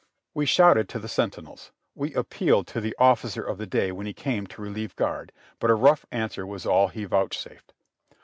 We shouted to the sentinels, we appealed to the officer of 200 JOHNNY REB AND BILLY YANK the day when he came to relieve guard, but a rough answer was all he vouchsafed.